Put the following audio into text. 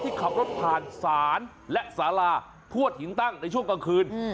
ขับรถผ่านศาลและสาราทั่วหินตั้งในช่วงกลางคืน